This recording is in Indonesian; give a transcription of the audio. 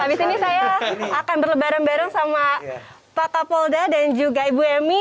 habis ini saya akan berlebaran bareng sama pak kapolda dan juga ibu emi